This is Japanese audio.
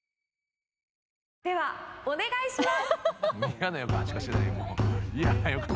ではお願いします。